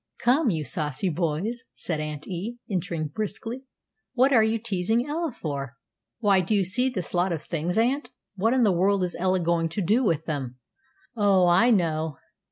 "Come, you saucy boys," said Aunt E., entering briskly, "what are you teasing Ella for?" "Why, do see this lot of things, aunt! What in the world is Ella going to do with them?" "O, I know!"